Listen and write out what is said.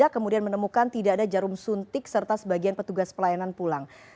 kemudian menemukan tidak ada jarum suntik serta sebagian petugas pelayanan pulang